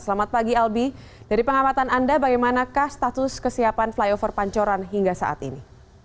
selamat pagi albi dari pengamatan anda bagaimanakah status kesiapan flyover pancoran hingga saat ini